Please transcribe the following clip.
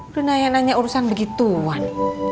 udah naya nanya urusan begituan